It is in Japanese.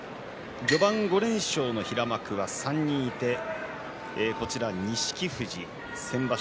序盤、５連勝の平幕３人錦富士、先場所